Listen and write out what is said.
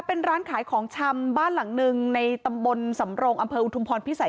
เป็นร้านขายของชำบ้านหลังหนึ่งในตำบลสำรงอำเภออุทุมพรพิสัย